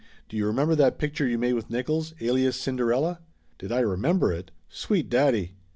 do you remember that picture you made with Nickolls Alias Cinderella ?" Did I remember it ? Sweet daddy